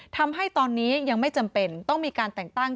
ทำให้ตอนนี้ยังไม่จำเป็นต้องมีการแต่งตั้ง